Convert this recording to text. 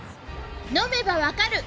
飲めばわかる！